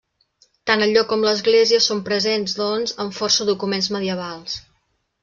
Tant el lloc com l'església són presents, doncs, en força documents medievals.